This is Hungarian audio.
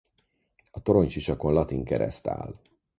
A toronysisakon latin kereszt áll.